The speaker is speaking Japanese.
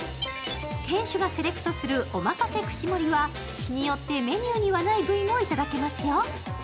店主がセレクトするおまかせ串盛りは日によってメニューにはないＶもいただけますよ。